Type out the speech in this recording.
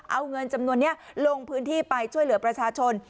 เอาเงินจำนวนนี้ลงพื้นที่ไปช่วยเหลือประชาชน